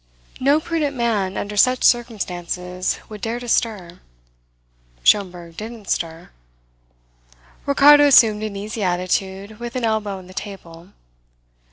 No prudent man under such circumstances would dare to stir. Schomberg didn't stir. Ricardo assumed an easy attitude, with an elbow on the table.